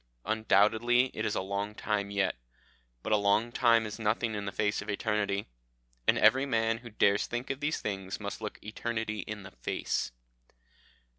Undoubtedly it is a long time yet, but a long time is nothing in the face of eternity, and every man who dares think of these things must look eternity in the face."